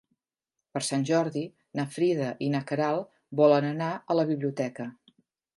Per Sant Jordi na Frida i na Queralt volen anar a la biblioteca.